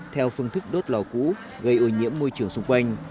theo phương thức đốt lò cũ gây ô nhiễm môi trường xung quanh